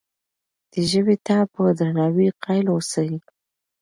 دې ژبې ته په درناوي قایل اوسئ.